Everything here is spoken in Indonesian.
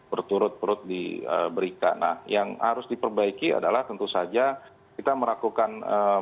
berturut turut diberikan nah yang harus diperbaiki adalah tentu saja kita merakukan